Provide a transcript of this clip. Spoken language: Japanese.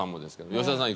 吉田さん